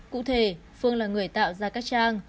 cụ thể phương là người tạo ra các trang